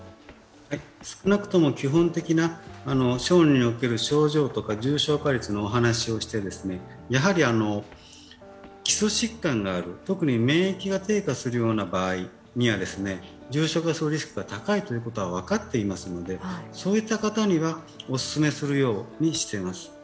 少なくとも基本的な小児における症状とか重症化率のお話をしてやはり基礎疾患がある、特に免疫が低下する場合には重症化するリスクが高いことは分かっていますので、そういった方にはお勧めするようにしています。